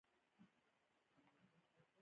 ایا زه باید مشوره واخلم؟